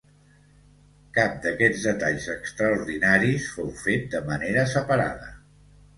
Cap d'aquests detalls extraordinaris fou fet de manera separada.